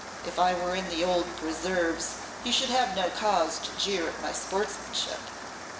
If I were in the old preserves, you should have no cause to jeer at my sportsmanship.